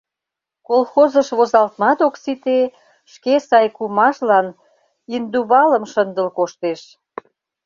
Колхозыш возалтмат ок сите, шке сай кумажлан индувалым шындыл коштеш!..